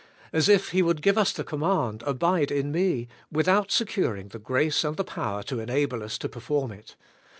As if He would give us the command, 'Abide in me,' without securing the grace and the power to enable us to perform it!